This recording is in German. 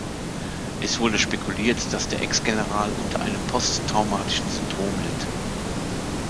Es wurde spekuliert, dass der Ex-General unter einem posttraumatischen Syndrom litt.